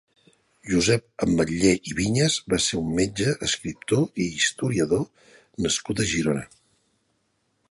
Josep Ametller i Viñas va ser un metge, escriptor i historiador nascut a Girona.